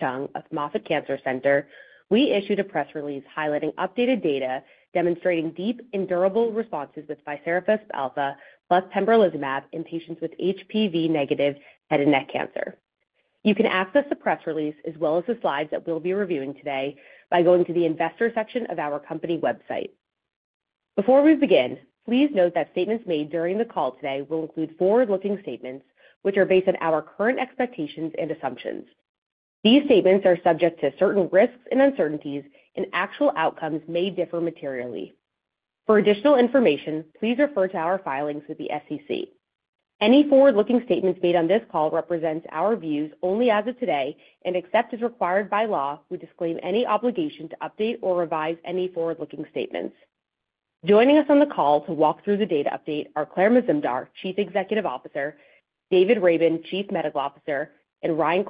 Chung of Moffitt Cancer Center, we issued a press release highlighting updated data demonstrating deep and durable responses with ficerafusp alfa, plus pembrolizumab in patients with HPV-negative head and neck cancer. You can access the press release, as well as the slides that we'll be reviewing today, by going to the Investor section of our company website. Before we begin, please note that statements made during the call today will include forward-looking statements, which are based on our current expectations and assumptions. These statements are subject to certain risks and uncertainties, and actual outcomes may differ materially. For additional information, please refer to our filings with the SEC. Any forward-looking statements made on this call represent our views only as of today and, except as required by law, we disclaim any obligation to update or revise any forward-looking statements. Joining us on the call to walk through the data update are Claire Mazumdar, Chief Executive Officer; David Raben, Chief Medical Officer; and Ryan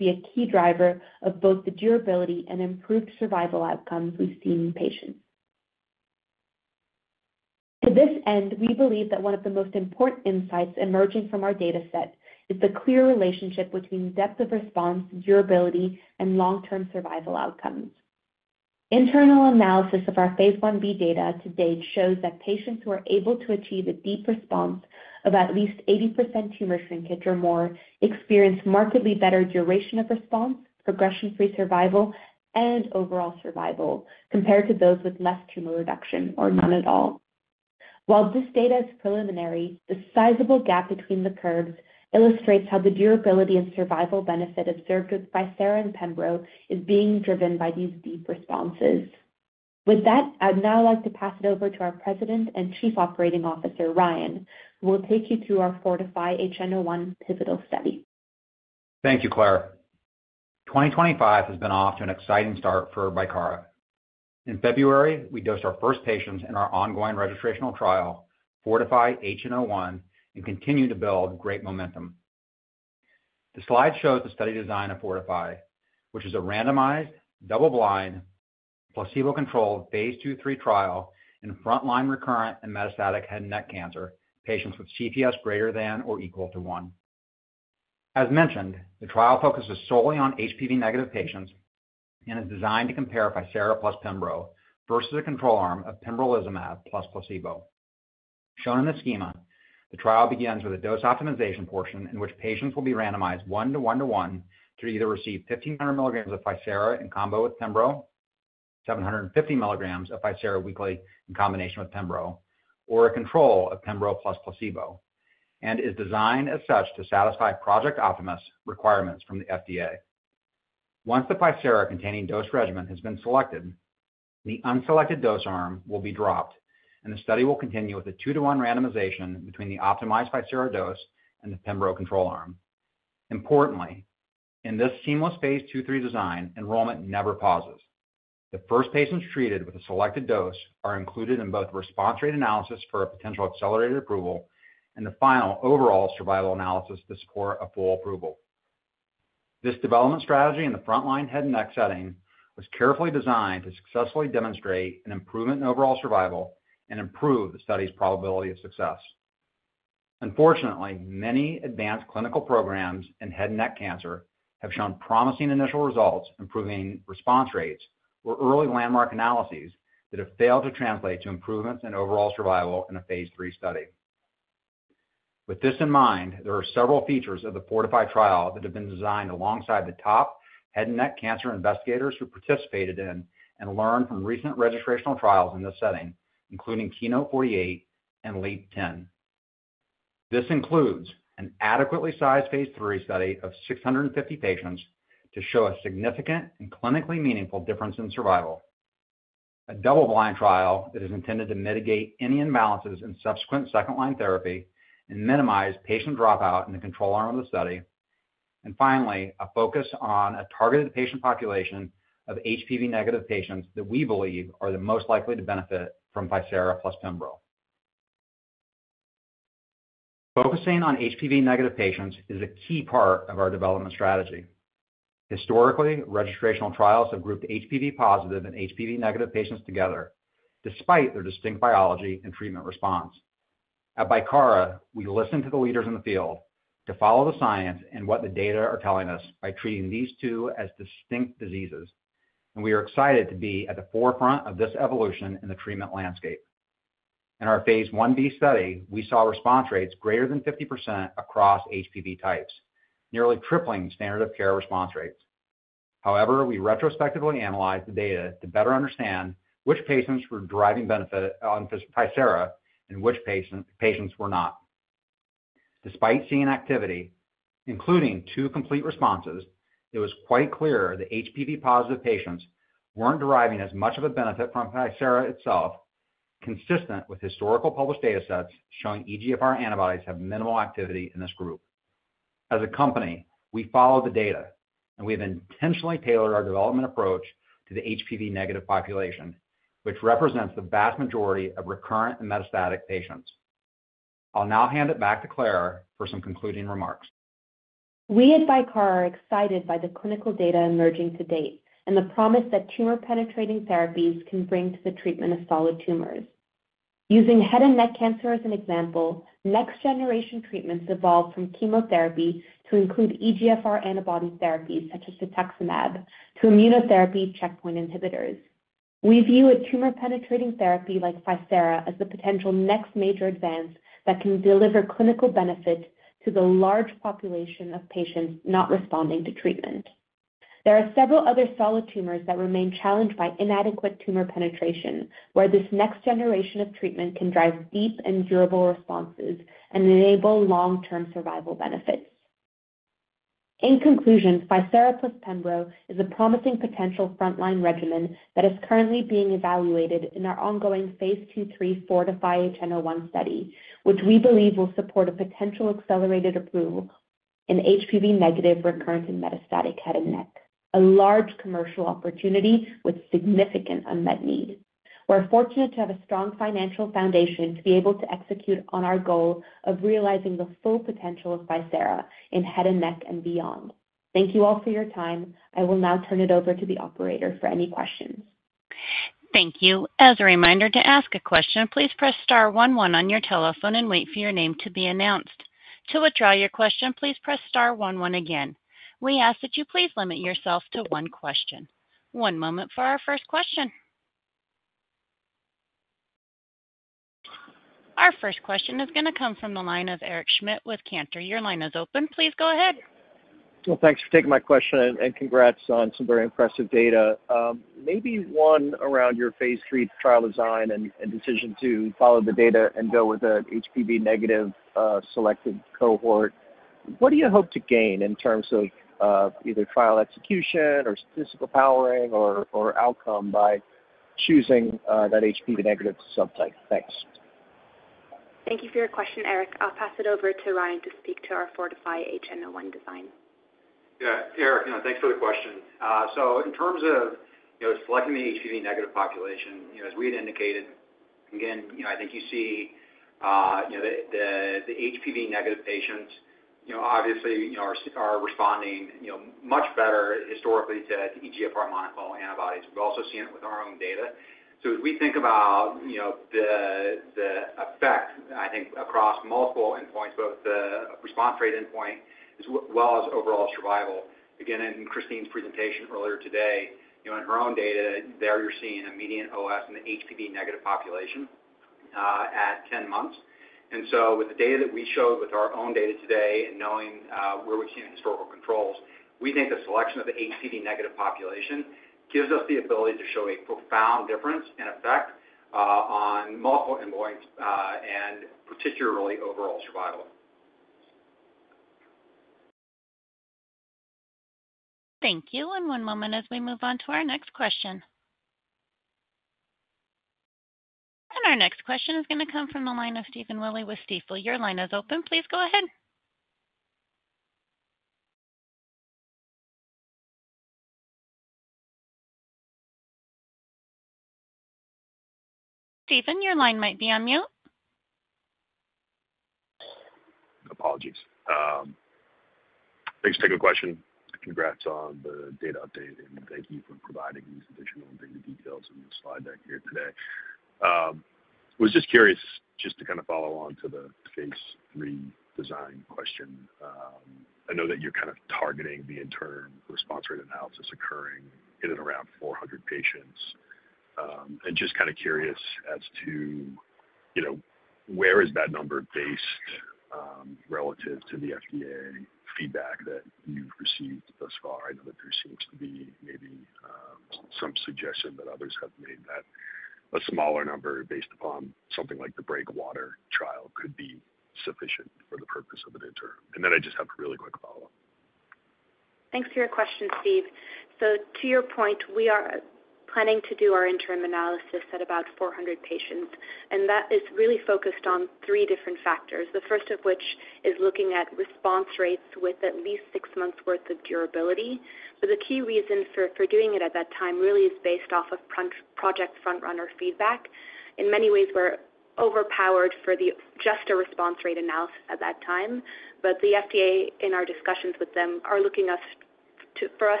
Colleran,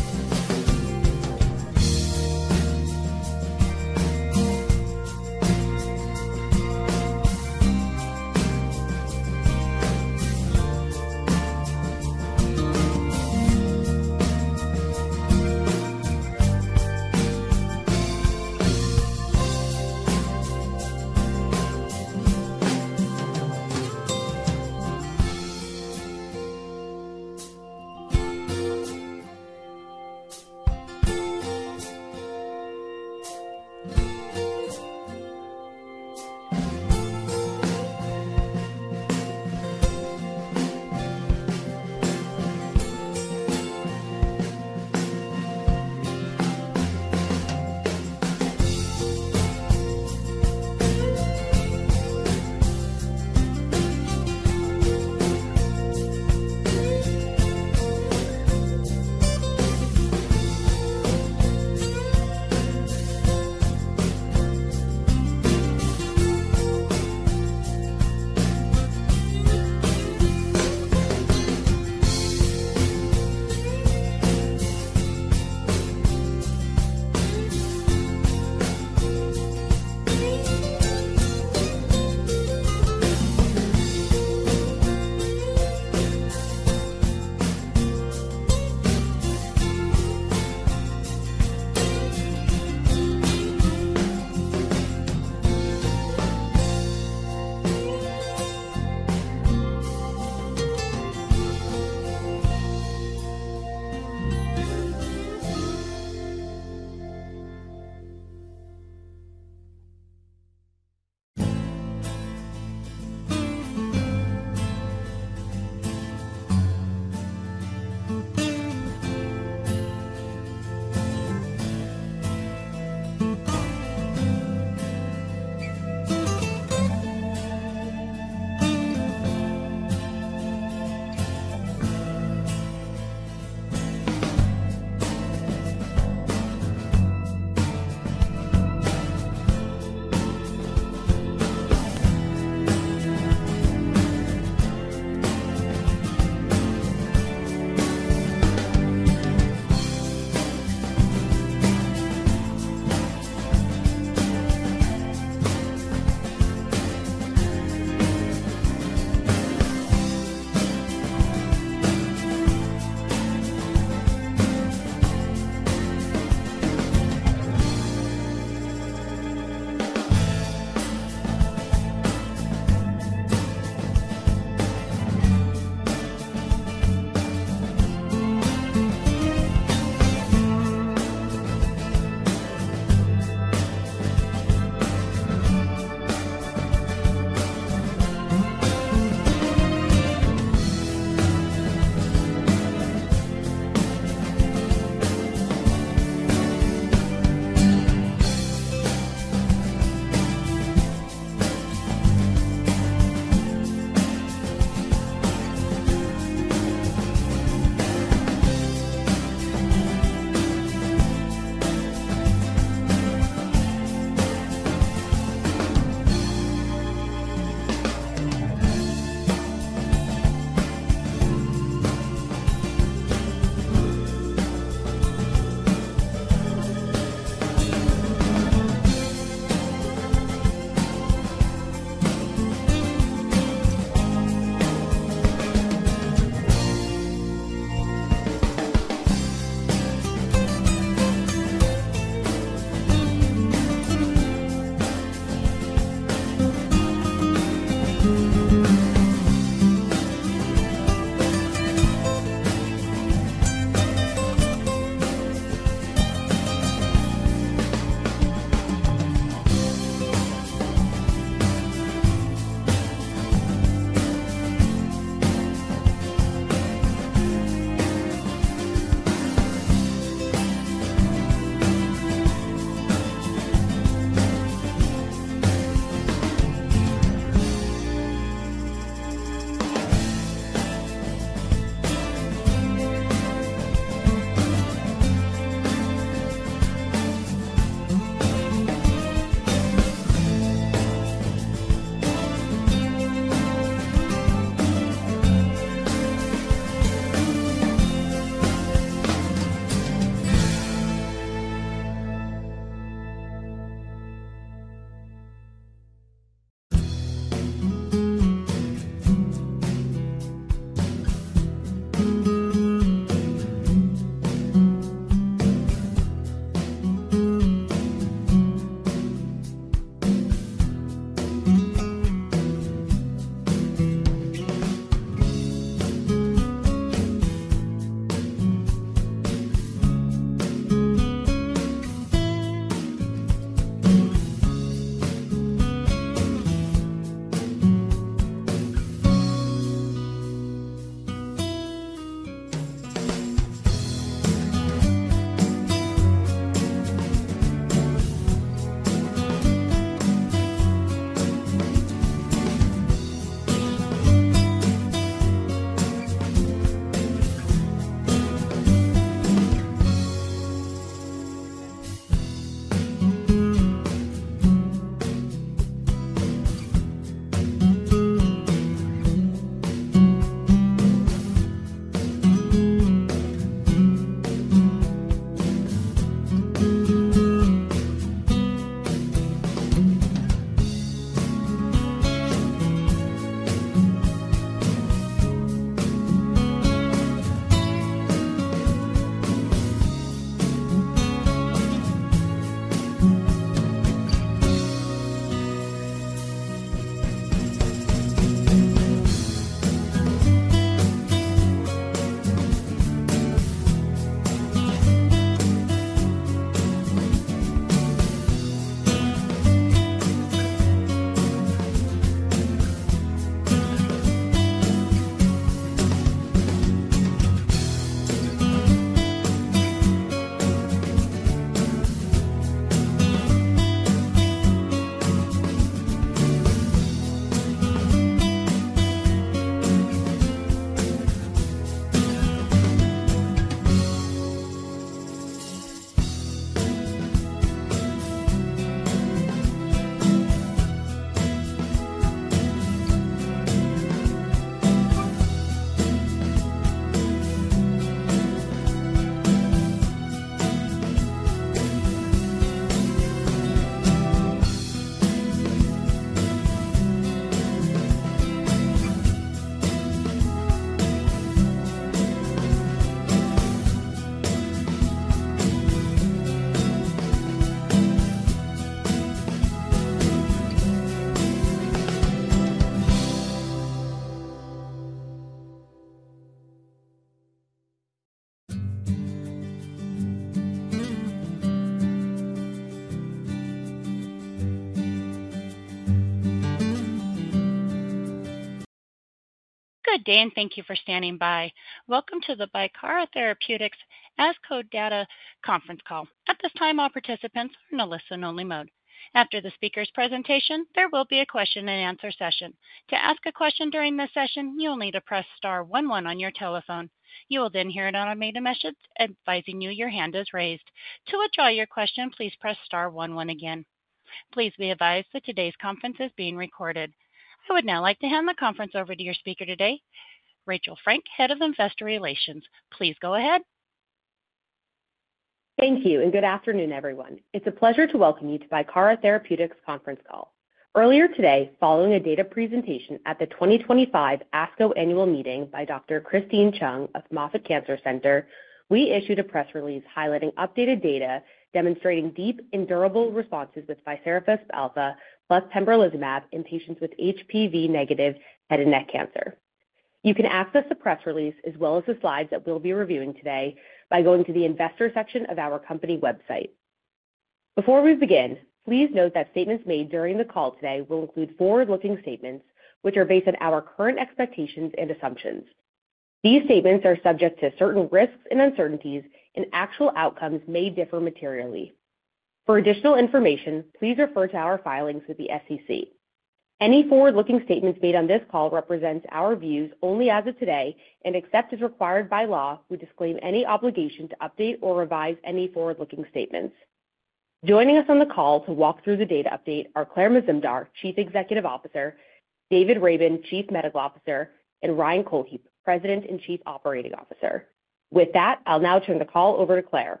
President and Chief Operating Officer. With that, I'll now turn the call over to Claire.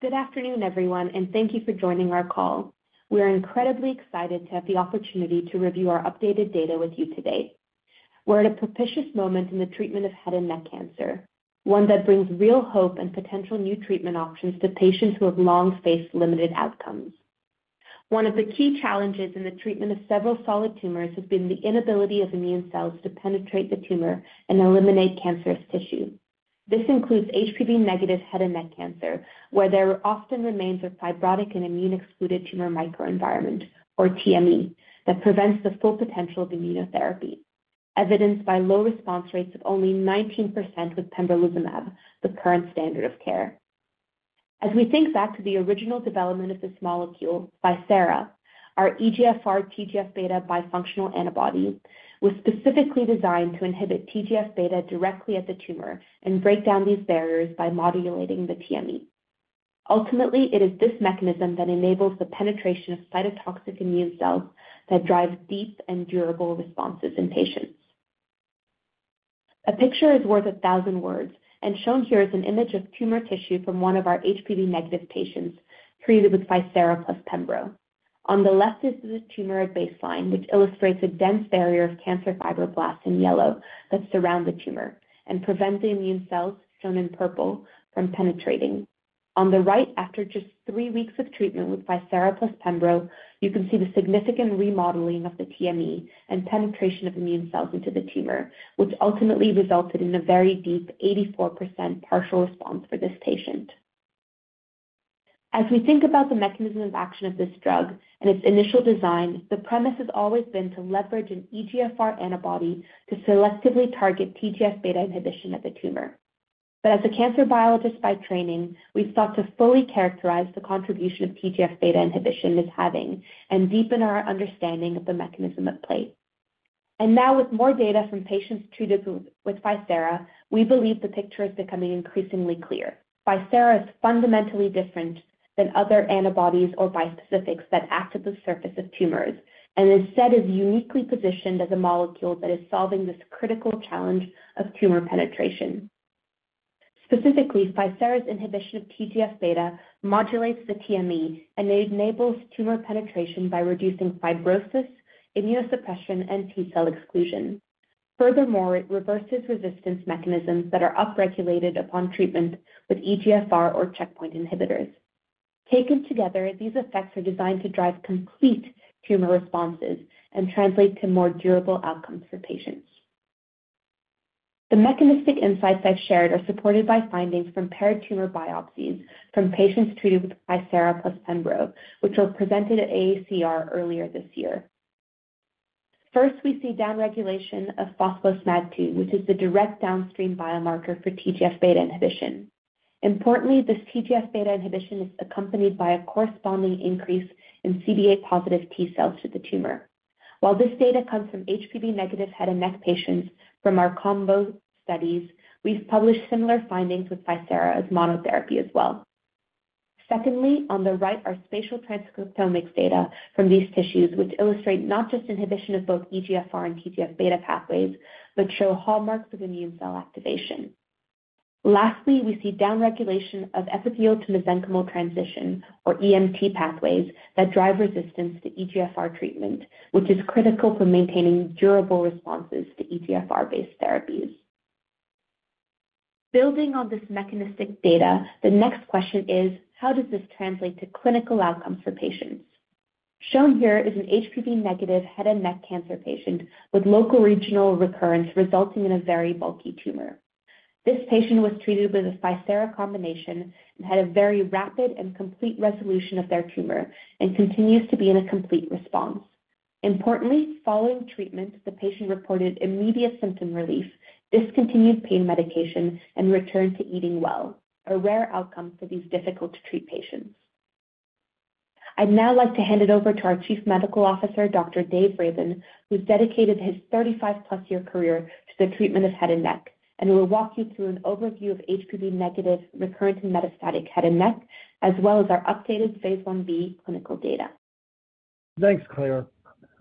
Good afternoon, everyone, and thank you for joining our call. We are incredibly excited to have the opportunity to review our updated data with you today. We're at a propitious moment in the treatment of head and neck cancer, one that brings real hope and potential new treatment options to patients who have long faced limited outcomes. One of the key challenges in the treatment of several solid tumors has been the inability of immune cells to penetrate the tumor and eliminate cancerous tissue. This includes HPV-negative head and neck cancer, where there often remains a fibrotic and immune-excluded tumor microenvironment, or TME, that prevents the full potential of immunotherapy, evidenced by low response rates of only 19% with pembrolizumab, the current standard of care. As we think back to the original development of this molecule by Bicara, our EGFR TGF-β bifunctional antibody was specifically designed to inhibit TGF-β directly at the tumor and break down these barriers by modulating the TME. Ultimately, it is this mechanism that enables the penetration of cytotoxic immune cells that drives deep and durable responses in patients. A picture is worth a thousand words, and shown here is an image of tumor tissue from one of our HPV-negative patients treated with ficerafusp alfa plus pembro. On the left is the tumor at baseline, which illustrates a dense barrier of cancer fibroblasts in yellow that surround the tumor and prevent the immune cells, shown in purple, from penetrating. On the right, after just three weeks of treatment with ficerafusp alfa plus pembro, you can see the significant remodeling of the TME and penetration of immune cells into the tumor, which ultimately resulted in a very deep 84% partial response for this patient. As we think about the mechanism of action of this drug and its initial design, the premise has always been to leverage an EGFR antibody to selectively target TGF-β inhibition at the tumor. As a cancer biologist by training, we've sought to fully characterize the contribution of TGF-β inhibition it is having and deepen our understanding of the mechanism at play. Now, with more data from patients treated with ficerafusp alfa, we believe the picture is becoming increasingly clear. alfa is fundamentally different than other antibodies or bispecifics that act at the surface of tumors and instead is uniquely positioned as a molecule that is solving this critical challenge of tumor penetration. Specifically, ficerafusp alfa's inhibition of TGF-β modulates the TME and enables tumor penetration by reducing fibrosis, immunosuppression, and T-cell exclusion. Furthermore, it reverses resistance mechanisms that are upregulated upon treatment with EGFR or checkpoint inhibitors. Taken together, these effects are designed to drive complete tumor responses and translate to more durable outcomes for patients. The mechanistic insights I've shared are supported by findings from paired tumor biopsies from patients treated with ficerafusp alfa plus pembrolizumab, which were presented at the AACR earlier this year. First, we see downregulation of phospho-SMAD, which is the direct downstream biomarker for TGF-β inhibition. Importantly, this TGF-β inhibition is accompanied by a corresponding increase in CD8-positive T-cells to the tumor. While this data comes from HPV-negative head and neck patients from our combo studies, we've published similar findings with ficerafusp alfa as monotherapy as well. Secondly, on the right are spatial transcriptomics data from these tissues, which illustrate not just inhibition of both EGFR and TGF-β pathways, but show hallmarks of immune cell activation. Lastly, we see downregulation of epithelial to mesenchymal transition, or EMT pathways, that drive resistance to EGFR treatment, which is critical for maintaining durable responses to EGFR-based therapies. Building on this mechanistic data, the next question is, how does this translate to clinical outcomes for patients? Shown here is an HPV-negative head and neck cancer patient with local regional recurrence resulting in a very bulky tumor. This patient was treated with a ficerafusp alfa combination and had a very rapid and complete resolution of their tumor and continues to be in a complete response. Importantly, following treatment, the patient reported immediate symptom relief, discontinued pain medication, and returned to eating well, a rare outcome for these difficult-to-treat patients. I'd now like to hand it over to our Chief Medical Officer, Dr. David Raben, who's dedicated his 35+ year career to the treatment of head and neck, and will walk you through an overview of HPV-negative recurrent and metastatic head and neck, as well as our updated phase IB clinical data. Thanks, Claire.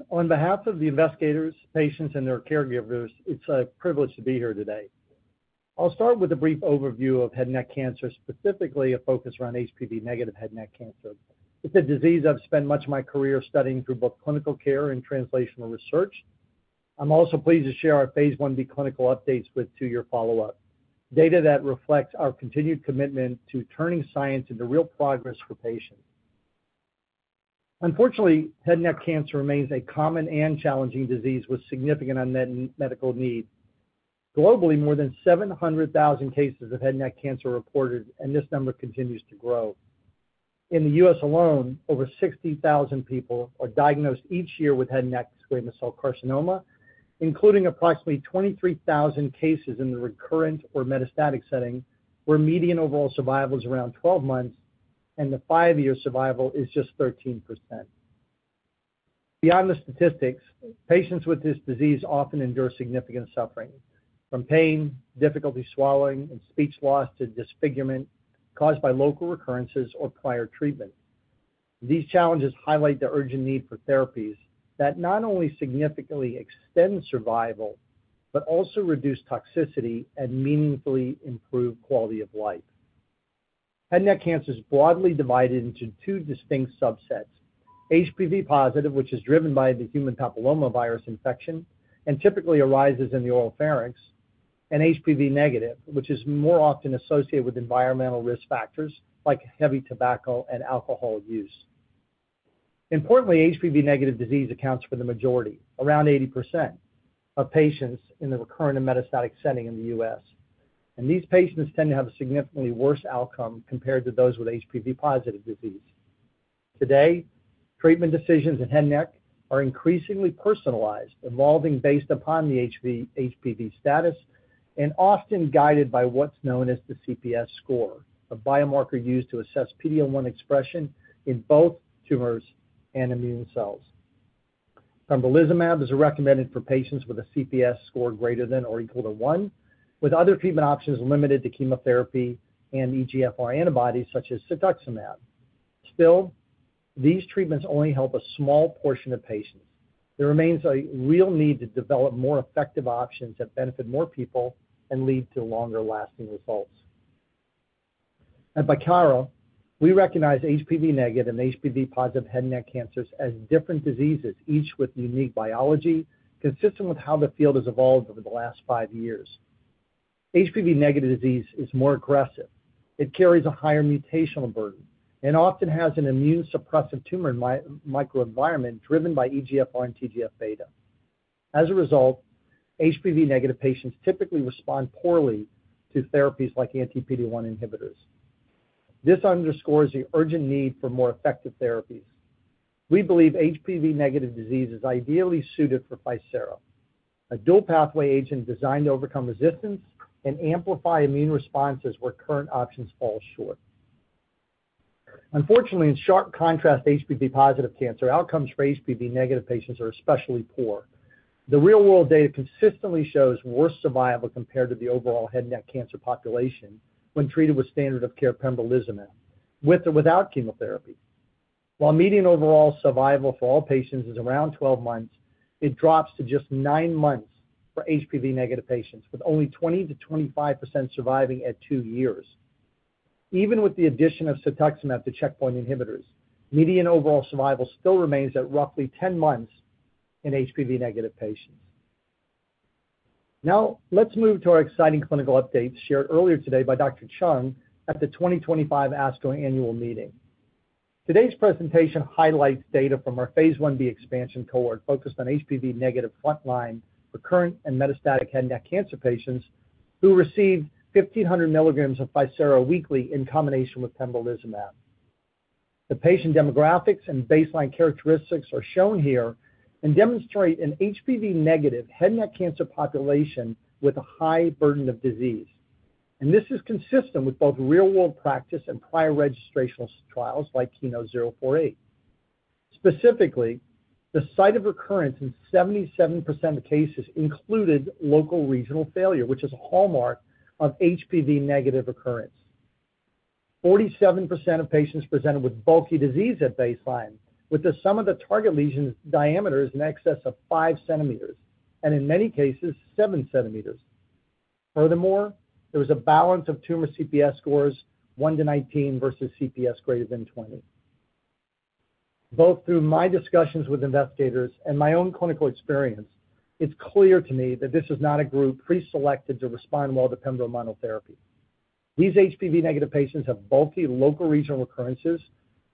On behalf of the investigators, patients, and their caregivers, it's a privilege to be here today. I'll start with a brief overview of head and neck cancer, specifically a focus around HPV-negative head and neck cancer. It's a disease I've spent much of my career studying through both clinical care and translational research. I'm also pleased to share our phase IB clinical updates with two-year follow-up data that reflects our continued commitment to turning science into real progress for patients. Unfortunately, head and neck cancer remains a common and challenging disease with significant unmet medical needs. Globally, more than 700,000 cases of head and neck cancer are reported, and this number continues to grow. In the U.S. Alone, over 60,000 people are diagnosed each year with head and neck squamous cell carcinoma, including approximately 23,000 cases in the recurrent or metastatic setting, where median overall survival is around 12 months, and the five-year survival is just 13%. Beyond the statistics, patients with this disease often endure significant suffering, from pain, difficulty swallowing, and speech loss to disfigurement caused by local recurrences or prior treatment. These challenges highlight the urgent need for therapies that not only significantly extend survival but also reduce toxicity and meaningfully improve quality of life. Head and neck cancer is broadly divided into two distinct subsets: HPV-positive, which is driven by the human papillomavirus infection and typically arises in the oropharynx, and HPV-negative, which is more often associated with environmental risk factors like heavy tobacco and alcohol use. Importantly, HPV-negative disease accounts for the majority, around 80%, of patients in the recurrent and metastatic setting in the U.S., and these patients tend to have a significantly worse outcome compared to those with HPV positive disease. Today, treatment decisions in head and neck are increasingly personalized, evolving based upon the HPV status and often guided by what's known as the CPS score, a biomarker used to assess PD-L1 expression in both tumors and immune cells. Pembrolizumab is recommended for patients with a CPS score greater than or equal to 1, with other treatment options limited to chemotherapy and EGFR antibodies such as cetuximab. Still, these treatments only help a small portion of patients. There remains a real need to develop more effective options that benefit more people and lead to longer-lasting results. At Bicara, we recognize HPV-negative and HPV-positive head and neck cancers as different diseases, each with unique biology consistent with how the field has evolved over the last five years. HPV-negative disease is more aggressive. It carries a higher mutational burden and often has an immune-suppressive tumor microenvironment driven by EGFR and TGF-β. As a result, HPV-negative patients typically respond poorly to therapies like anti-PD-1 inhibitors. This underscores the urgent need for more effective therapies. We believe HPV-negative disease is ideally suited for ficerafusp alfa, a dual-pathway agent designed to overcome resistance and amplify immune responses where current options fall short. Unfortunately, in sharp contrast to HPV-positive cancer, outcomes for HPV-negative patients are especially poor. The real-world data consistently shows worse survival compared to the overall head and neck cancer population when treated with standard of care pembrolizumab, with or without chemotherapy. While median overall survival for all patients is around 12 months, it drops to just 9 months for HPV-negative patients, with only 20%-25% surviving at two years. Even with the addition of cetuximab to checkpoint inhibitors, median overall survival still remains at roughly 10 months in HPV-negative patients. Now, let's move to our exciting clinical updates shared earlier today by Dr. Chung at the 2025 ASCO Annual Meeting. Today's presentation highlights data from our phase IB expansion cohort focused on HPV-negative frontline recurrent and metastatic head and neck cancer patients who received 1,500 mg of ficerafusp alfa weekly in combination with pembrolizumab. The patient demographics and baseline characteristics are shown here and demonstrate an HPV-negative head and neck cancer population with a high burden of disease, and this is consistent with both real-world practice and prior registrational trials like KEYNOTE-048. Specifically, the site of recurrence in 77% of cases included local regional failure, which is a hallmark of HPV-negative recurrence. 47% of patients presented with bulky disease at baseline, with the sum of the target lesion diameters in excess of 5 cm and, in many cases, 7 cm. Furthermore, there was a balance of tumor CPS scores 1-19 versus CPS greater than 20. Both through my discussions with investigators and my own clinical experience, it's clear to me that this is not a group preselected to respond well to pembrolizumab therapy. These HPV-negative patients have bulky local regional recurrences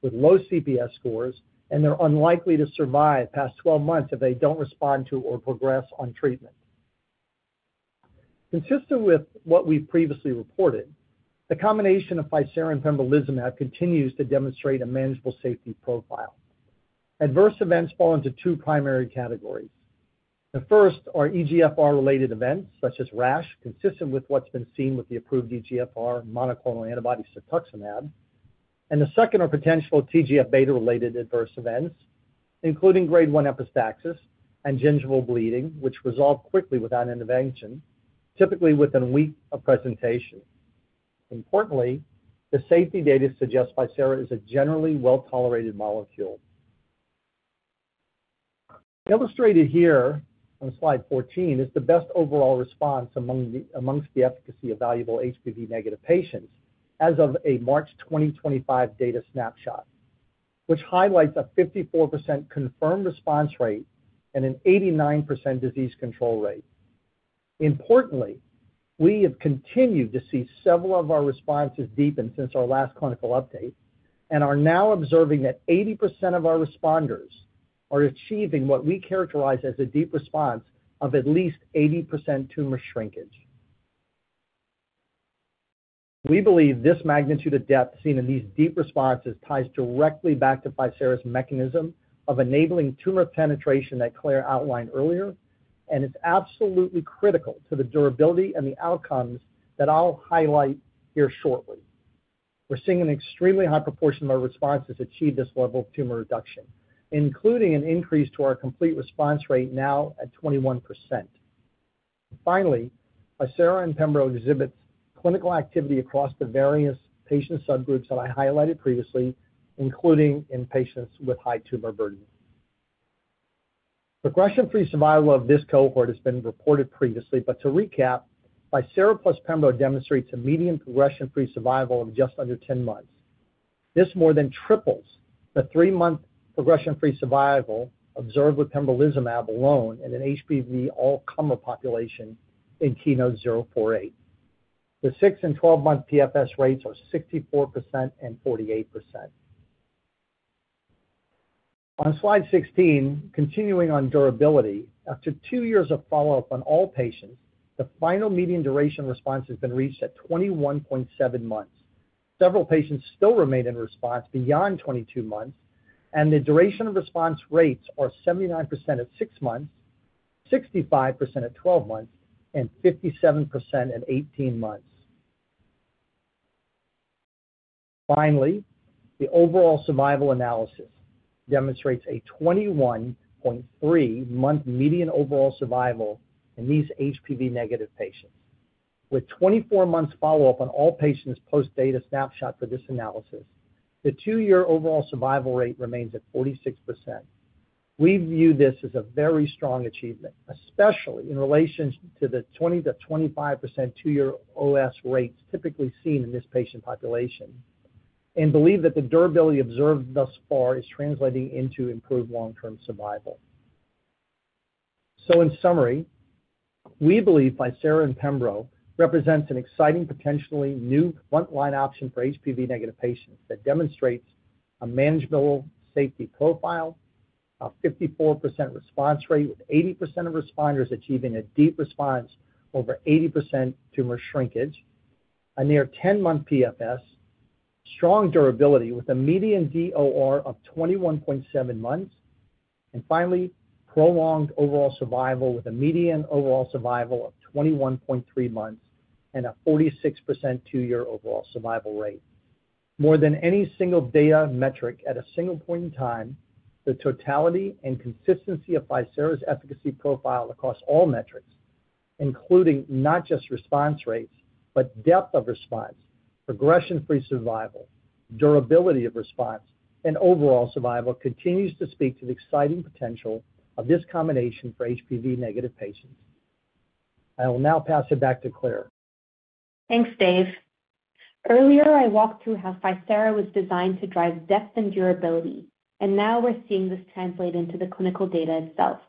with low CPS scores, and they're unlikely to survive past 12 months if they don't respond to or progress on treatment. Consistent with what we've previously reported, the combination of ficerafusp alfa and pembrolizumab continues to demonstrate a manageable safety profile. Adverse events fall into two primary categories. The first are EGFR-related events, such as rash, consistent with what's been seen with the approved EGFR monoclonal antibody cetuximab, and the second are potential TGF-β-related adverse events, including grade 1 epistaxis and gingival bleeding, which resolve quickly without intervention, typically within a week of presentation. Importantly, the safety data suggests ficerafusp alfa is a generally well-tolerated molecule. Illustrated here on slide 14 is the best overall response amongst the efficacy evaluable HPV-negative patients as of a March 2025 data snapshot, which highlights a 54% confirmed response rate and an 89% disease control rate. Importantly, we have continued to see several of our responses deepen since our last clinical update and are now observing that 80% of our responders are achieving what we characterize as a deep response of at least 80% tumor shrinkage. We believe this magnitude of depth seen in these deep responses ties directly back to ficerafusp alfa's mechanism of enabling tumor penetration that Claire outlined earlier, and it's absolutely critical to the durability and the outcomes that I'll highlight here shortly. We're seeing an extremely high proportion of our responses achieve this level of tumor reduction, including an increase to our complete response rate now at 21%. Finally, ficerafusp alfa and pembrolizumab exhibit clinical activity across the various patient subgroups that I highlighted previously, including in patients with high tumor burden. Progression-free survival of this cohort has been reported previously, but to recap, ficerafusp alfa plus pembrolizumab demonstrates a median progression-free survival of just under 10 months. This more than triples the three-month progression-free survival observed with pembrolizumab alone in an HPV all-tumor population in KEYNOTE-048. The 6 and 12-month PFS rates are 64% and 48%. On slide 16, continuing on durability, after two years of follow-up on all patients, the final median duration of response has been reached at 21.7 months. Several patients still remain in response beyond 22 months, and the duration of response rates are 79% at 6 months, 65% at 12 months, and 57% at 18 months. Finally, the overall survival analysis demonstrates a 21.3-month median overall survival in these HPV-negative patients. With 24 months follow-up on all patients' post-data snapshot for this analysis, the two-year overall survival rate remains at 46%. We view this as a very strong achievement, especially in relation to the 20%-25% two-year OS rates typically seen in this patient population, and believe that the durability observed thus far is translating into improved long-term survival. In summary, we believe ficerafusp alfa and pembrolizumab represents an exciting, potentially new frontline option for HPV-negative patients that demonstrates a manageable safety profile, a 54% response rate with 80% of responders achieving a deep response, over 80% tumor shrinkage, a near 10-month PFS, strong durability with a median DOR of 21.7 months, and finally, prolonged overall survival with a median overall survival of 21.3 months and a 46% two-year overall survival rate. More than any single data metric at a single point in time, the totality and consistency of ficerafusp alfa's efficacy profile across all metrics, including not just response rates, but depth of response, progression-free survival, durability of response, and overall survival, continues to speak to the exciting potential of this combination for HPV-negative patients. I will now pass it back to Claire. Thanks, Dave. Earlier, I walked through how ficerafusp alfa was designed to drive depth and durability, and now we're seeing this translate into the clinical data itself.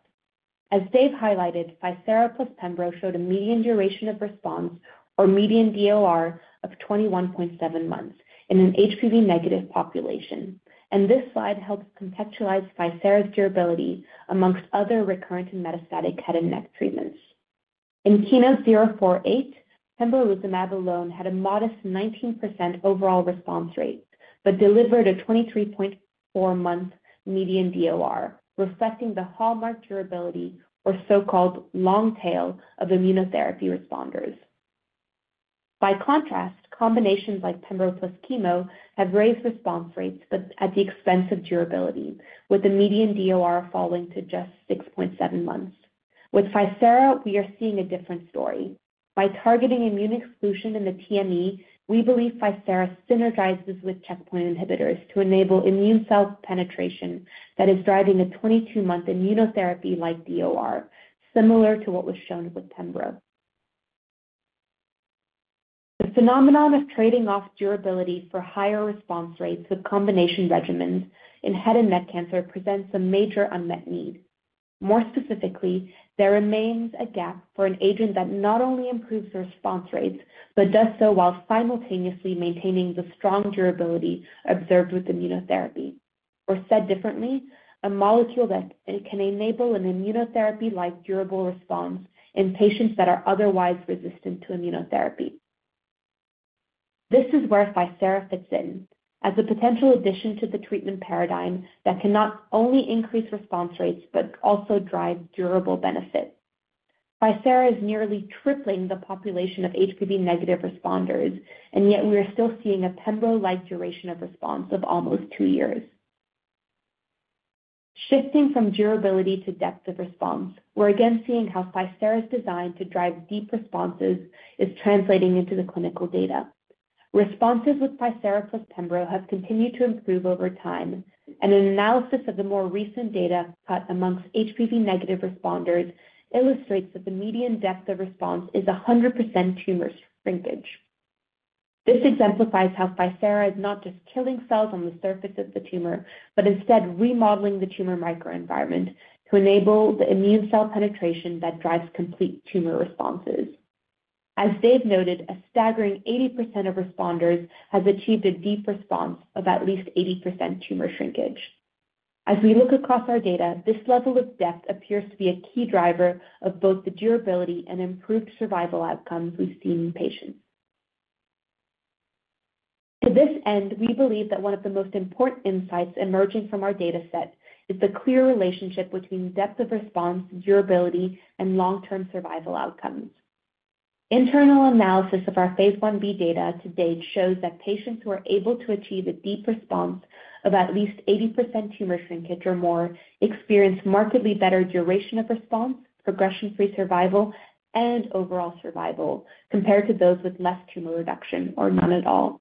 As Dave highlighted, ficerafusp alfa plus pembrolizumab showed a median duration of response, or median DOR, of 21.7 months in an HPV-negative population, and this slide helps contextualize ficerafusp alfa's durability amongst other recurrent and metastatic head and neck treatments. In KEYNOTE-048, pembrolizumab alone had a modest 19% overall response rate but delivered a 23.4-month median DOR, reflecting the hallmark durability, or so-called long tail, of immunotherapy responders. By contrast, combinations like pembrolizumab plus chemo have raised response rates, but at the expense of durability, with a median DOR falling to just 6.7 months. With ficerafusp alfa, we are seeing a different story. By targeting immune exclusion in the TME, we believe ficerafusp alfa synergizes with checkpoint inhibitors to enable immune cell penetration that is driving a 22-month immunotherapy-like DOR, similar to what was shown with pembrolizumab. The phenomenon of trading off durability for higher response rates with combination regimens in head and neck cancer presents a major unmet need. More specifically, there remains a gap for an agent that not only improves the response rates but does so while simultaneously maintaining the strong durability observed with immunotherapy, or said differently, a molecule that can enable an immunotherapy-like durable response in patients that are otherwise resistant to immunotherapy. This is where ficerafusp fits in as a potential addition to the treatment paradigm that can not only increase response rates but also drive durable benefits. alfa is nearly tripling the population of HPV-negative responders, and yet we are still seeing a pembrolizumab-like duration of response of almost two years. Shifting from durability to depth of response, we're again seeing how ficerafusp alfa's design to drive deep responses is translating into the clinical data. Responses with ficerafusp alfa plus pembrolizumab have continued to improve over time, and an analysis of the more recent data cut amongst HPV-negative responders illustrates that the median depth of response is 100% tumor shrinkage. This exemplifies how ficerafusp alfa is not just killing cells on the surface of the tumor but instead remodeling the tumor microenvironment to enable the immune cell penetration that drives complete tumor responses. As Dave noted, a staggering 80% of responders have achieved a deep response of at least 80% tumor shrinkage. As we look across our data, this level of depth appears to be a key driver of both the durability and improved survival outcomes we've seen in patients. To this end, we believe that one of the most important insights emerging from our data set is the clear relationship between depth of response, durability, and long-term survival outcomes. Internal analysis of our phase IB data to date shows that patients who are able to achieve a deep response of at least 80% tumor shrinkage or more experience markedly better duration of response, progression-free survival, and overall survival compared to those with less tumor reduction or none at all.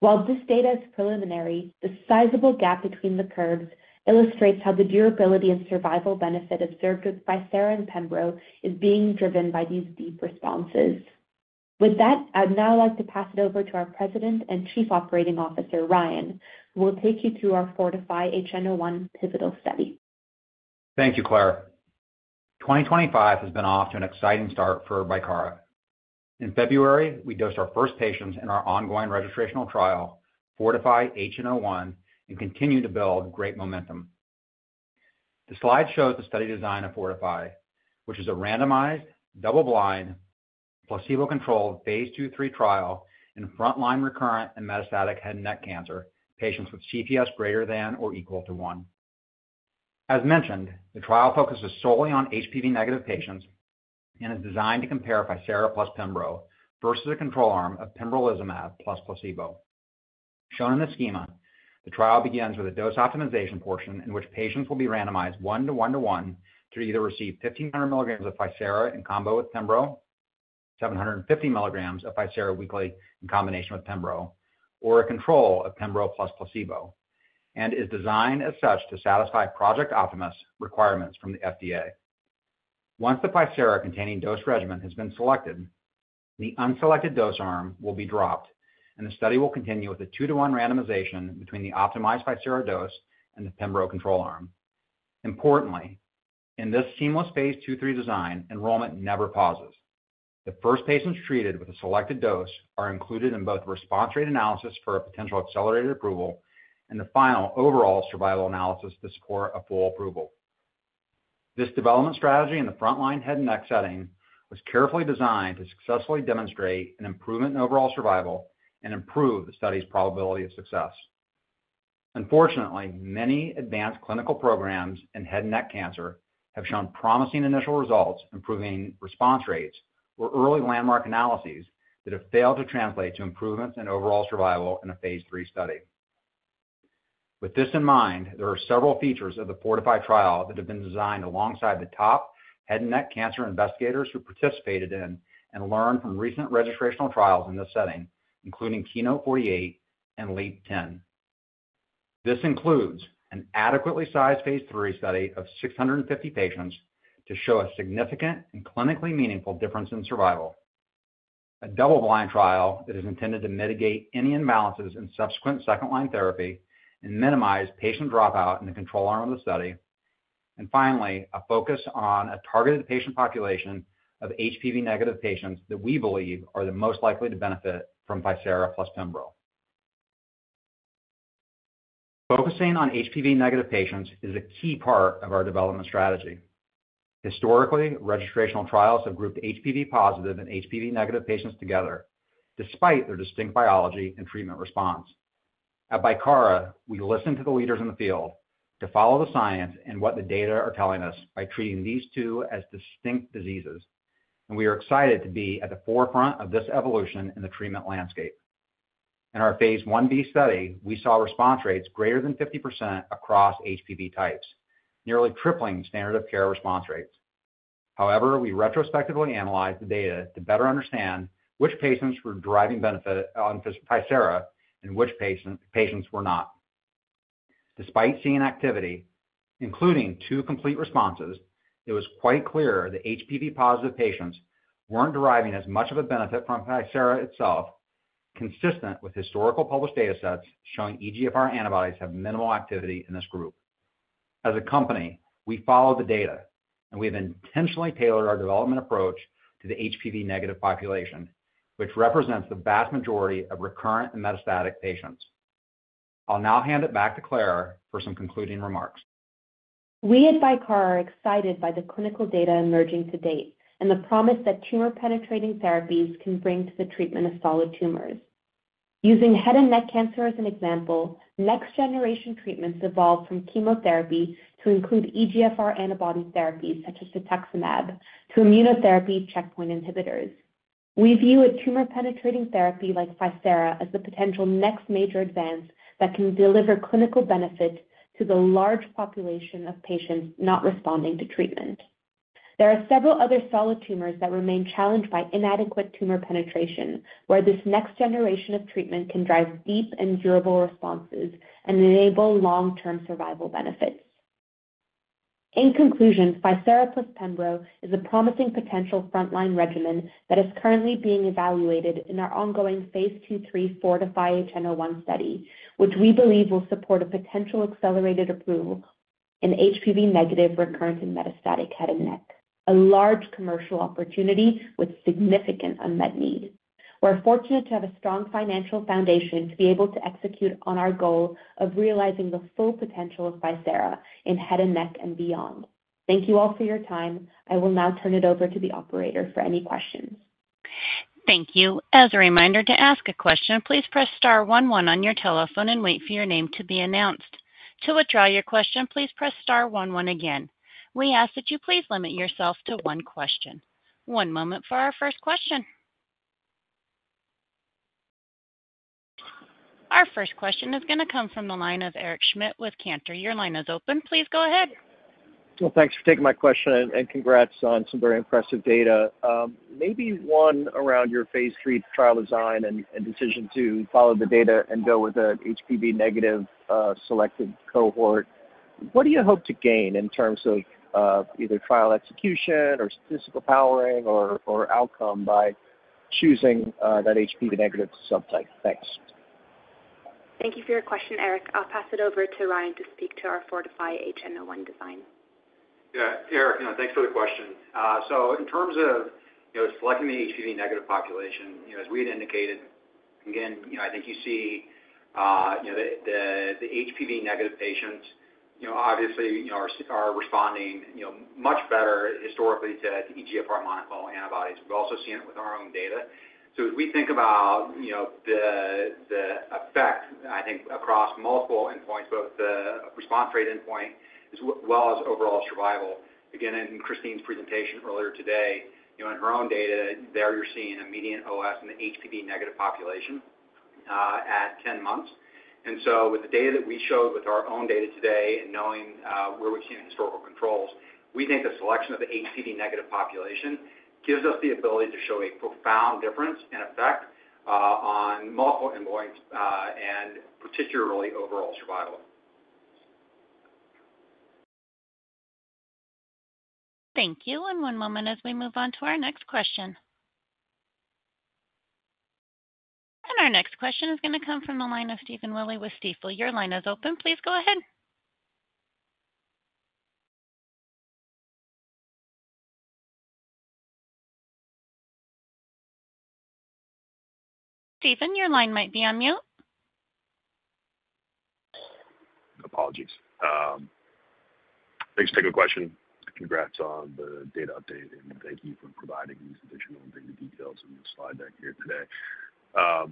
While this data is preliminary, the sizable gap between the curves illustrates how the durability and survival benefit observed with ficerafusp alfa and pembrolizumab is being driven by these deep responses. With that, I'd now like to pass it over to our President and Chief Operating Officer, Ryan, who will take you through our FORTIFI-HN01 pivotal study. Thank you, Claire. 2025 has been off to an exciting start for Bicara. In February, we dosed our first patients in our ongoing registrational trial, FORTIFI-HN01, and continue to build great momentum. The slide shows the study design of FORTIFI, which is a randomized, double-blind, placebo-controlled phase II/III trial in frontline recurrent and metastatic head and neck cancer patients with CPS greater than or equal to 1. As mentioned, the trial focuses solely on HPV-negative patients and is designed to compare ficerafusp alfa plus pembrolizumab versus a control arm of pembrolizumab plus placebo. Shown in the schema, the trial begins with a dose optimization portion in which patients will be randomized 1:1:1 to either receive 1,500 mg of ficerafusp alfa in combo with pembrolizumab, 750 mg of ficerafusp alfa weekly in combination with pembrolizumab, or a control of pembrolizumab plus placebo, and is designed as such to satisfy Project Optimus requirements from the FDA. Once the ficerafusp alfa-containing dose regimen has been selected, the unselected dose arm will be dropped, and the study will continue with a 2:1 randomization between the optimized ficerafusp alfa dose and the pembrolizumab control arm. Importantly, in this seamless phase II/III design, enrollment never pauses. The first patients treated with the selected dose are included in both the response rate analysis for a potential accelerated approval and the final overall survival analysis to support a full approval. This development strategy in the frontline head and neck setting was carefully designed to successfully demonstrate an improvement in overall survival and improve the study's probability of success. Unfortunately, many advanced clinical programs in head and neck cancer have shown promising initial results improving response rates or early landmark analyses that have failed to translate to improvements in overall survival in a phase III study. With this in mind, there are several features of the FORTIFI trial that have been designed alongside the top head and neck cancer investigators who participated in and learned from recent registrational trials in this setting, including KEYNOTE-48 and LEAP-10. This includes an adequately sized phase III study of 650 patients to show a significant and clinically meaningful difference in survival, a double-blind trial that is intended to mitigate any imbalances in subsequent second-line therapy and minimize patient dropout in the control arm of the study, and finally, a focus on a targeted patient population of HPV-negative patients that we believe are the most likely to benefit from ficerafusp alfa plus pembrolizumab. Focusing on HPV-negative patients is a key part of our development strategy. Historically, registrational trials have grouped HPV-positive and HPV-negative patients together, despite their distinct biology and treatment response. At Bicara, we listen to the leaders in the field to follow the science and what the data are telling us by treating these two as distinct diseases, and we are excited to be at the forefront of this evolution in the treatment landscape. In our phase IB study, we saw response rates greater than 50% across HPV types, nearly tripling standard-of-care response rates. However, we retrospectively analyzed the data to better understand which patients were driving benefit on ficerafusp alfa and which patients were not. Despite seeing activity, including two complete responses, it was quite clear that HPV-positive patients were not deriving as much of a benefit from ficerafusp alfa itself, consistent with historical published data sets showing EGFR antibodies have minimal activity in this group. As a company, we follow the data, and we have intentionally tailored our development approach to the HPV-negative population, which represents the vast majority of recurrent and metastatic patients. I'll now hand it back to Claire for some concluding remarks. We at Bicara are excited by the clinical data emerging to date and the promise that tumor-penetrating therapies can bring to the treatment of solid tumors. Using head and neck cancer as an example, next-generation treatments evolved from chemotherapy to include EGFR antibody therapies such as cetuximab to immunotherapy checkpoint inhibitors. We view a tumor-penetrating therapy like ficerafusp alfa as the potential next major advance that can deliver clinical benefit to the large population of patients not responding to treatment. There are several other solid tumors that remain challenged by inadequate tumor penetration, where this next generation of treatment can drive deep and durable responses and enable long-term survival benefits. In conclusion, ficerafusp alfa plus pembrolizumab is a promising potential frontline regimen that is currently being evaluated in our ongoing phase II/III FORTIFI-HN01 study, which we believe will support a potential accelerated approval in HPV-negative recurrent and metastatic head and neck, a large commercial opportunity with significant unmet need. We're fortunate to have a strong financial foundation to be able to execute on our goal of realizing the full potential of ficerafusp alfa in head and neck and beyond. Thank you all for your time. I will now turn it over to the operator for any questions. Thank you. As a reminder to ask a question, please press star one one on your telephone and wait for your name to be announced. To withdraw your question, please press star one one again. We ask that you please limit yourself to one question. One moment for our first question. Our first question is going to come from the line of Eric Schmidt with Cantor. Your line is open. Please go ahead. Thanks for taking my question and congrats on some very impressive data. Maybe one around your phase III trial design and decision to follow the data and go with an HPV-negative selected cohort. What do you hope to gain in terms of either trial execution or statistical powering or outcome by choosing that HPV-negative subtype? Thanks. Thank you for your question, Eric. I'll pass it over to Ryan to speak to our FORTIFI-HN01 design. Yeah, Eric, thanks for the question. In terms of selecting the HPV-negative population, as we had indicated, again, I think you see the HPV-negative patients obviously are responding much better historically to EGFR monoclonal antibodies. We've also seen it with our own data. As we think about the effect, I think, across multiple endpoints, both the response rate endpoint as well as overall survival. In Christine's presentation earlier today, in her own data, there you're seeing a median OS in the HPV-negative population at 10 months. With the data that we showed with our own data today and knowing where we've seen historical controls, we think the selection of the HPV-negative population gives us the ability to show a profound difference in effect on multiple endpoints and particularly overall survival. Thank you. One moment as we move on to our next question. Our next question is going to come from the line of Stephen Willey with Stifel. Your line is open. Please go ahead. Stephen, your line might be on mute. Apologies. Thanks for the question. Congrats on the data update, and thank you for providing these additional data details in the slide deck here today. I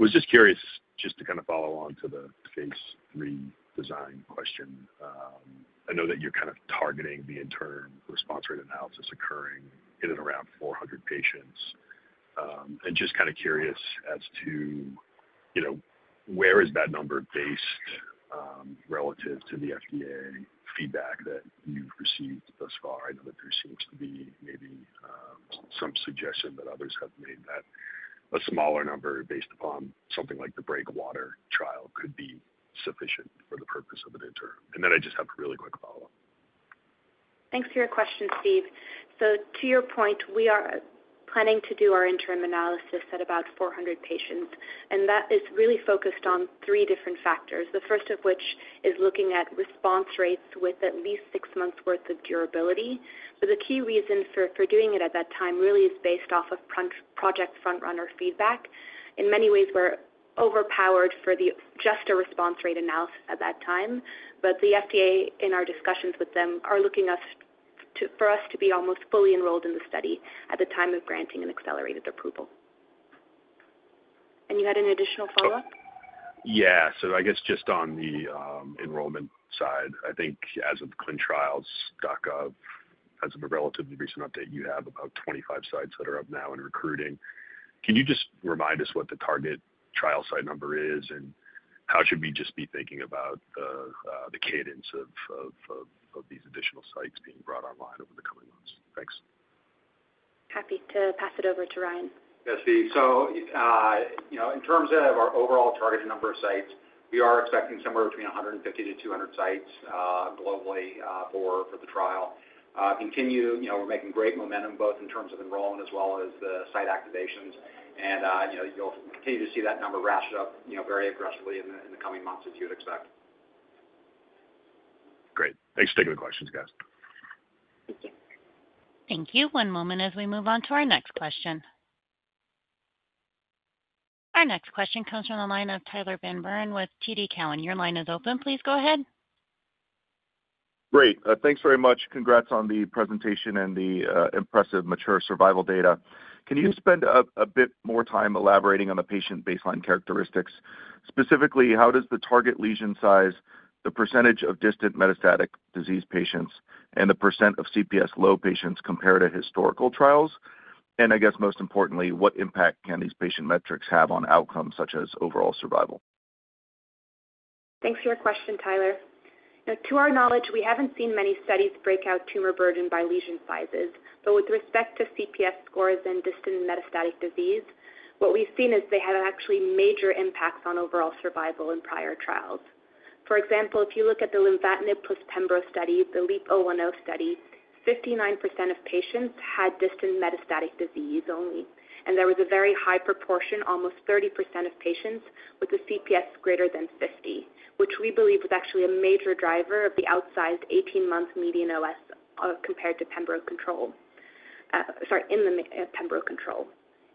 was just curious just to kind of follow on to the phase III design question. I know that you're kind of targeting the interim response rate analysis occurring in and around 400 patients. I'm just kind of curious as to where is that number based relative to the FDA feedback that you've received thus far? I know that there seems to be maybe some suggestion that others have made that a smaller number based upon something like the breakwater trial could be sufficient for the purpose of an interim. I just have a really quick follow-up. Thanks for your question, Steve. To your point, we are planning to do our interim analysis at about 400 patients, and that is really focused on three different factors, the first of which is looking at response rates with at least six months' worth of durability. The key reason for doing it at that time really is based off of project front-runner feedback. In many ways, we're overpowered for just a response rate analysis at that time, but the FDA in our discussions with them are looking for us to be almost fully enrolled in the study at the time of granting an accelerated approval. You had an additional follow-up? Yeah. So I guess just on the enrollment side, I think as of clintrials.gov, as of a relatively recent update, you have about 25 sites that are up now and recruiting. Can you just remind us what the target trial site number is and how should we just be thinking about the cadence of these additional sites being brought online over the coming months? Thanks. Happy to pass it over to Ryan. Yes, Steve. In terms of our overall target number of sites, we are expecting somewhere between 150-200 sites globally for the trial. We're making great momentum both in terms of enrollment as well as the site activations, and you'll continue to see that number ratchet up very aggressively in the coming months as you would expect. Great. Thanks for taking the questions, guys. Thank you. One moment as we move on to our next question. Our next question comes from the line of Tyler Van Buren with TD Cowen. Your line is open. Please go ahead. Great. Thanks very much. Congrats on the presentation and the impressive mature survival data. Can you spend a bit more time elaborating on the patient baseline characteristics? Specifically, how does the target lesion size, the percentage of distant metastatic disease patients, and the percent of CPS-low patients compare to historical trials? I guess most importantly, what impact can these patient metrics have on outcomes such as overall survival? Thanks for your question, Tyler. To our knowledge, we haven't seen many studies break out tumor burden by lesion sizes, but with respect to CPS scores and distant metastatic disease, what we've seen is they have actually major impacts on overall survival in prior trials. For example, if you look at the lenvatinib plus pembro study, the LEAP-010 study, 59% of patients had distant metastatic disease only, and there was a very high proportion, almost 30% of patients with a CPS greater than 50, which we believe was actually a major driver of the outsized 18-month median OS compared to pembrolizumab control.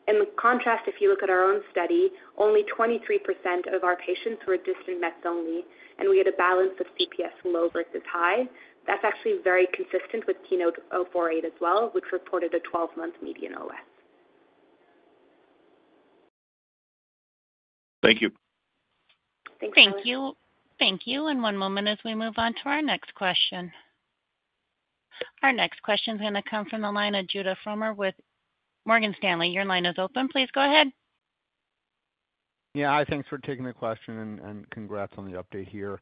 In contrast, if you look at our own study, only 23% of our patients were distant mets only, and we had a balance of CPS low versus high. That's actually very consistent with KEYNOTE-048 as well, which reported a 12-month median OS. Thank you. Thank you. Thank you. One moment as we move on to our next question. Our next question is going to come from the line of Judah Frommer with Morgan Stanley. Your line is open. Please go ahead. Yeah, thanks for taking the question and congrats on the update here.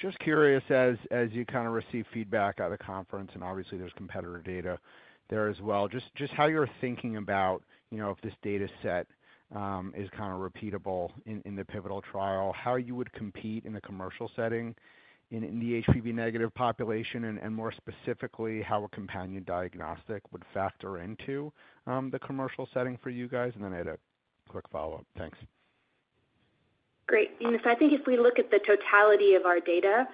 Just curious, as you kind of receive feedback at a conference, and obviously there's competitor data there as well, just how you're thinking about if this data set is kind of repeatable in the pivotal trial, how you would compete in a commercial setting in the HPV-negative population, and more specifically, how a companion diagnostic would factor into the commercial setting for you guys? I had a quick follow-up. Thanks. Great. I think if we look at the totality of our data,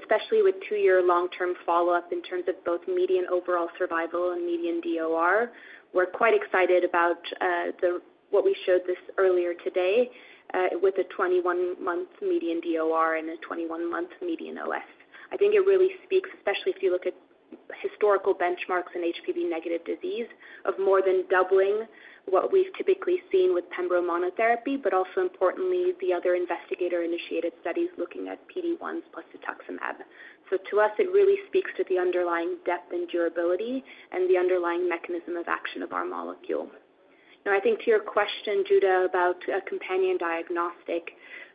especially with two-year long-term follow-up in terms of both median overall survival and median DOR, we're quite excited about what we showed earlier today with a 21-month median DOR and a 21-month median OS. I think it really speaks, especially if you look at historical benchmarks in HPV-negative disease, to more than doubling what we've typically seen with pembrolizumab monotherapy, but also importantly, the other investigator-initiated studies looking at PD-1s plus cetuximab. To us, it really speaks to the underlying depth and durability and the underlying mechanism of action of our molecule. Now, I think to your question, Judah, about a companion diagnostic,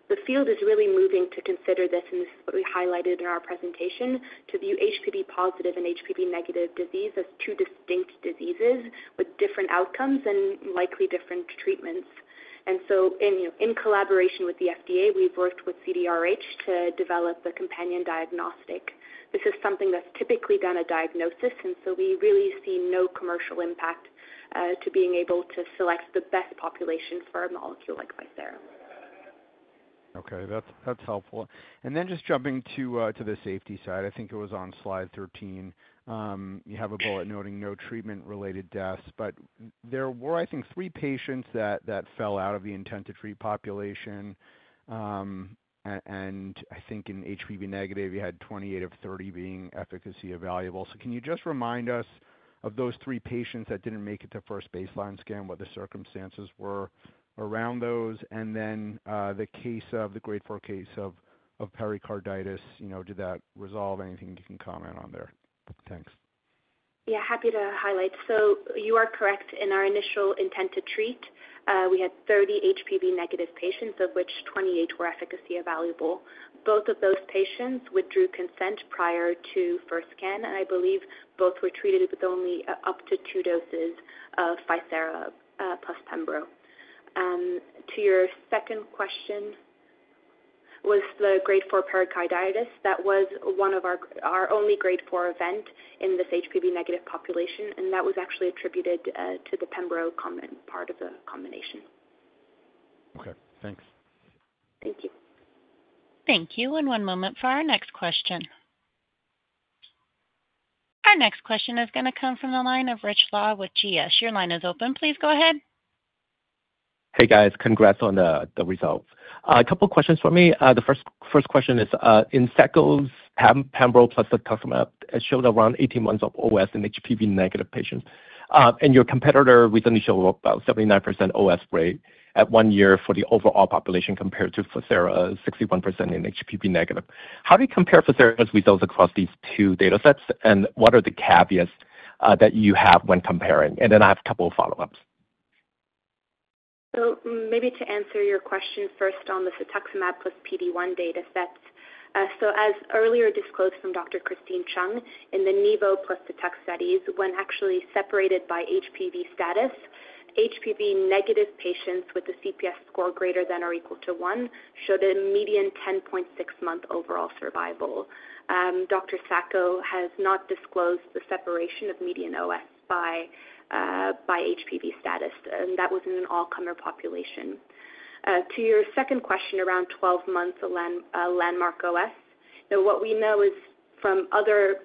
the field is really moving to consider this, and this is what we highlighted in our presentation, to view HPV-positive and HPV-negative disease as two distinct diseases with different outcomes and likely different treatments. In collaboration with the FDA, we've worked with CDRH to develop a companion diagnostic. This is something that's typically done at diagnosis, and we really see no commercial impact to being able to select the best populations for our molecule like Bicara. Okay. That's helpful. And then just jumping to the safety side, I think it was on slide 13, you have a bullet noting no treatment-related deaths, but there were, I think, three patients that fell out of the intended treat population, and I think in HPV-negative, you had 28 of 30 being efficacy evaluable. So can you just remind us of those three patients that didn't make it to first baseline scan, what the circumstances were around those, and then the case of the grade 4 case of pericarditis? Did that resolve? Anything you can comment on there? Thanks. Yeah, happy to highlight. You are correct. In our initial intent to treat, we had 30 HPV-negative patients, of which 28 were efficacy evaluable. Both of those patients withdrew consent prior to first scan, and I believe both were treated with only up to two doses of ficerafusp alfa plus pembro. To your second question, was the grade 4 pericarditis? That was one of our only grade 4 event in this HPV-negative population, and that was actually attributed to the pembrolizumab part of the combination. Okay. Thanks. Thank you. One moment for our next question. Our next question is going to come from the line of Rich Law with GS. Your line is open. Please go ahead. Hey, guys. Congrats on the results. A couple of questions for me. The first question is, in Seckles' pembrolizumab plus cetuximab, it showed around 18 months of OS in HPV-negative patients, and your competitor with initial about 79% OS rate at one year for the overall population compared to Pfizer's 61% in HPV-negative. How do you compare Pfizer's results across these two data sets, and what are the caveats that you have when comparing? I have a couple of follow-ups. Maybe to answer your question first on the cetuximab plus PD-1 data sets, as earlier disclosed from Dr. Christine Chung, in the pembro plus cetux studies when actually separated by HPV status, HPV-negative patients with a CPS score greater than or equal to 1 showed a median 10.6-month overall survival. Dr. Sacco has not disclosed the separation of median OS by HPV status, and that was in an all-comer population. To your second question around 12-month landmark OS, what we know is from other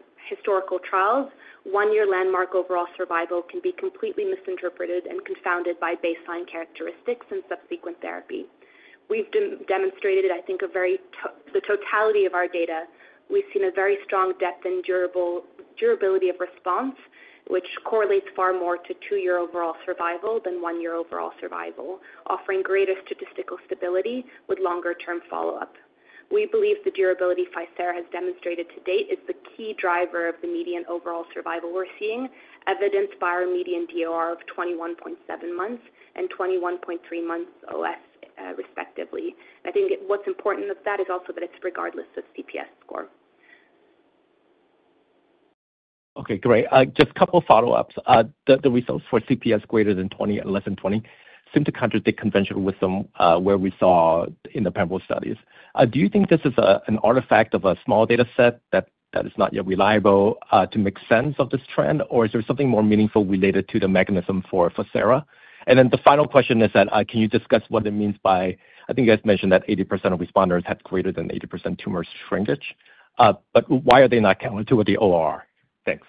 We believe the durability Bicara has demonstrated to date is the key driver of the median overall survival we're seeing, evidenced by our median DOR of 21.7 months and 21.3 months OS, respectively. I think what's important with that is also that it's regardless of CPS score. Okay. Great. Just a couple of follow-ups. The results for CPS greater than 1,120 seem to contradict convention with what we saw in the pembrolizumab studies. Do you think this is an artifact of a small dataset that is not yet reliable to make sense of this trend, or is there something more meaningful related to the mechanism for Bicara? The final question is that can you discuss what it means by, I think you guys mentioned that 80% of responders had greater than 80% tumor shrinkage, but why are they not counted with the ORR? Thanks.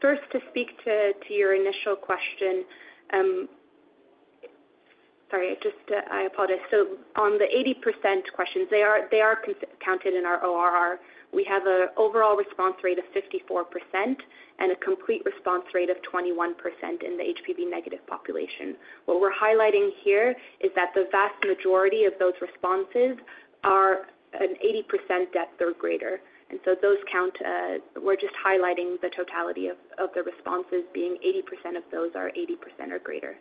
First, to speak to your initial question, sorry, I apologize. On the 80% questions, they are counted in our ORR. We have an overall response rate of 54% and a complete response rate of 21% in the HPV-negative population. What we are highlighting here is that the vast majority of those responses are an 80% depth or greater. Those count, we are just highlighting the totality of the responses being 80% of those are 80% or greater.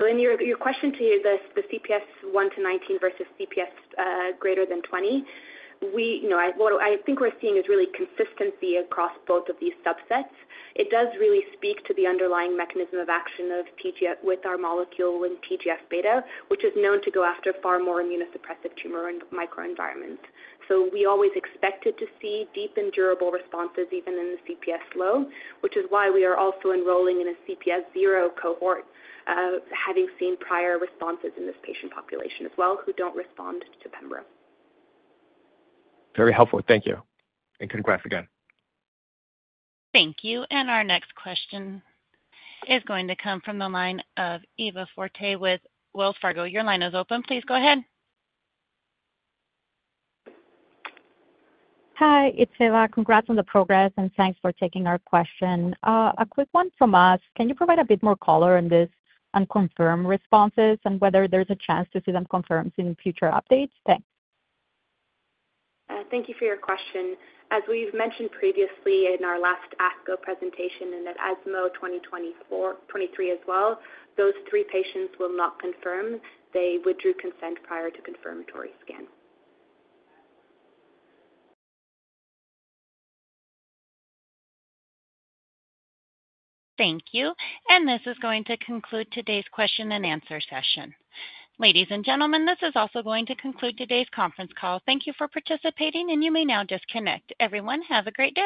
In your question to the CPS 1-19 versus CPS greater than 20, what I think we are seeing is really consistency across both of these subsets. It does really speak to the underlying mechanism of action with our molecule in TGF-β, which is known to go after far more immunosuppressive tumor and microenvironments. We always expected to see deep and durable responses even in the CPS low, which is why we are also enrolling in a CPS zero cohort, having seen prior responses in this patient population as well who do not respond to pembrolizumab. Very helpful. Thank you. Congrats again. Thank you. Our next question is going to come from the line of Eva Fortea with Wells Fargo. Your line is open. Please go ahead. Hi, it is Eva. Congrats on the progress, and thanks for taking our question. A quick one from us. Can you provide a bit more color on these unconfirmed responses and whether there is a chance to see them confirmed in future updates? Thanks. Thank you for your question. As we have mentioned previously in our last ASCO presentation and at ESMO 2023 as well, those three patients will not confirm. They withdrew consent prior to confirmatory scan. Thank you. This is going to conclude today's question and answer session. Ladies and gentlemen, this is also going to conclude today's conference call. Thank you for participating, and you may now disconnect. Everyone, have a great rest.